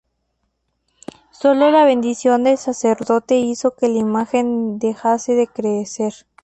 Sólo la bendición del sacerdote hizo que la imagen dejase de crecer.